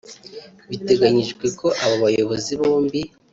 Biteganyijwe ko aba bayobozi bombi